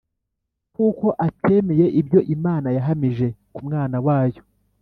kuko atemeye ibyo Imana yahamije ku Mwana wayo.